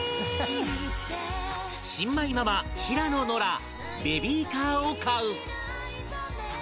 新米ママ平野ノラベビーカーを買う